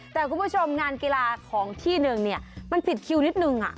แต่คุณผู้ชมงานกีฬาของที่หนึ่งเนี่ยมันติดคิวนิดนึง